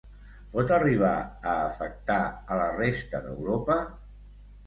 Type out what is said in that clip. Pot arribar a afectar a la resta d'Europa?